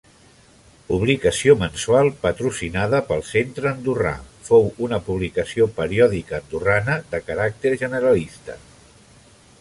Publicació mensual patrocinada pel Centre Andorrà, fou una publicació periòdica andorrana de caràcter generalista.